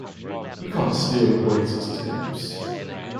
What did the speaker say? You can't steal your waiters' tips!